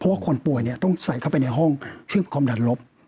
เพราะว่าคนป่วยเนี่ยต้องใส่เข้าไปในห้องชื่อความดันลบ